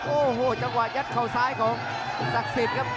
โอ้โหจังหวะยัดเข่าซ้ายของศักดิ์สิทธิ์ครับ